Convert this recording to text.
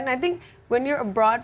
selama ini anda benar benar